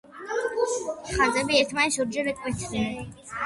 ხაზები ერთმანეთს ორჯერ კვეთენ.